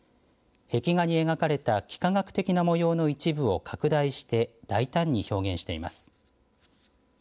壁画に描かれた幾何学的な模様の一部を拡大して大胆に表現しています。